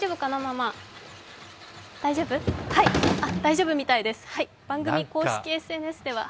あ、大丈夫みたいです。